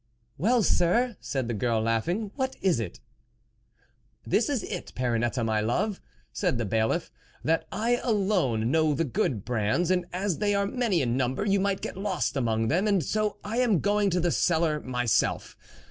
"Well, sir," said the girl laughing, What is it ?"" This is it, Perrinette, my love," said the Bailiff, " that I alone know the good brands, and as they are many in number, you might get lost among them, and so I am going to the cellar myself."